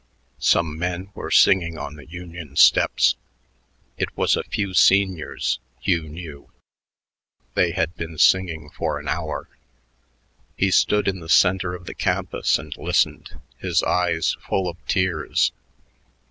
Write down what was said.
Some men were singing on the Union steps. It was a few seniors, Hugh knew; they had been singing for an hour. He stood in the center of the campus and listened, his eyes full of tears.